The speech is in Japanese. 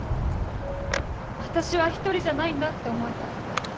私は一人じゃないんだって思えた。